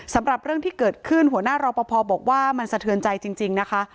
สำหรับเรื่องที่เกิดขึ้นหัวหน้ารอปภบอกว่ามันสะเทือนใจจริงนะคะ